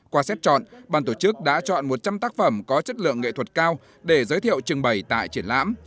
qua xét chọn bàn tổ chức đã chọn một trăm linh tác phẩm có chất lượng nghệ thuật cao để giới thiệu trưng bày tại triển lãm